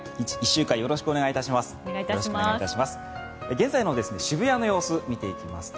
１週間よろしくお願いいたします。